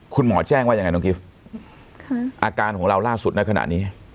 คุณหมอแจ้งว่ายังไงน้องกิฟต์อาการของเราล่าสุดในขณะนี้